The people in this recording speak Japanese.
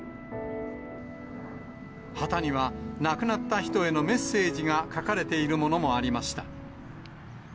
旗には、亡くなった人へのメッセージが書かれているものもありました。